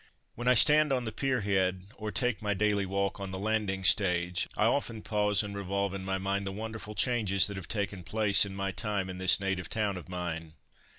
When I stand on the Pier head, or take my daily walk on the Landing Stage, I often pause and revolve in my mind the wonderful changes that have taken place in my time in this native town of mine.